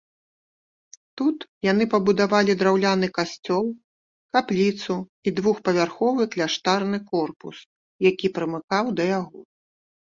Тут яны пабудавалі драўляны касцёл, капліцу і двухпавярховы кляштарны корпус, які прымыкаў да яго.